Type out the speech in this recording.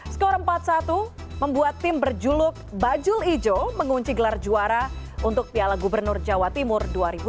skor empat satu membuat tim berjuluk bajul ijo mengunci gelar juara untuk piala gubernur jawa timur dua ribu dua puluh